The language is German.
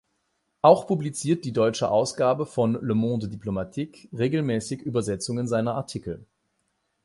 Auch publiziert die deutsche Ausgabe von Le Monde diplomatique regelmäßig Übersetzungen seiner Artikel.